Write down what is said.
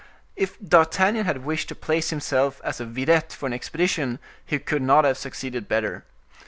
If D'Artagnan had wished to place himself as a vidette for an expedition, he could not have succeeded better.